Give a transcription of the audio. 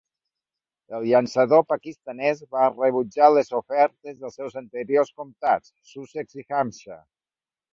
El llançador pakistanès va rebutjar les ofertes dels seus anteriors comtats, Sussex i Hampshire.